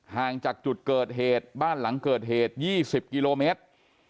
ห่างจากจุดเกิดเหตุบ้านหลังเกิดเหตุ๒๐กิโลเมตร